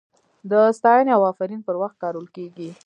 د ستاینې او افرین پر وخت کارول کیږي.